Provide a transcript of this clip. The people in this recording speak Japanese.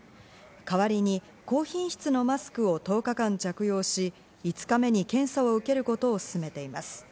代わりに高品質のマスクを１０日間着用し、５日目に検査を受けることを勧めています。